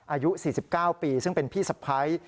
อายุ๔๙ปีซึ่งเป็นพี่สะพ้าย